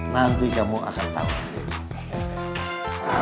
nanti kamu akan tahu